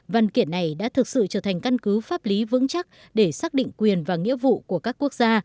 văn kiện này đã thực sự trở thành căn cứ pháp lý vững chắc để xác định quyền và nghĩa vụ của các quốc gia